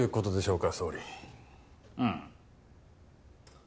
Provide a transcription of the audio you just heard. うん。